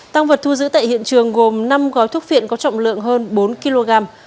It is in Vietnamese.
tăng vật thu giữ tại hiện trường gồm năm gói thuốc phiện có trọng lượng hơn bốn kg